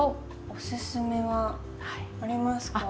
おすすめはありますか？